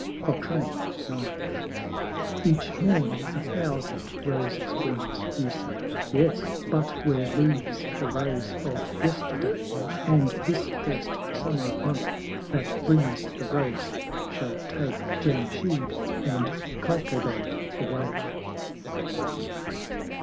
IX. Each Morn a thousand Roses brings, you say: Yes, but where leaves the Rose of Yesterday? And this first Summer month that brings the Rose Shall take Jamshyd and Kaikobad away.